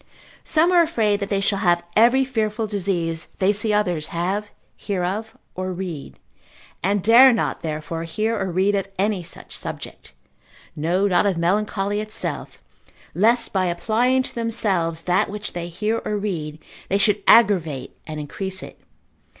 Some are afraid that they shall have every fearful disease they see others have, hear of, or read, and dare not therefore hear or read of any such subject, no not of melancholy itself, lest by applying to themselves that which they hear or read, they should aggravate and increase it.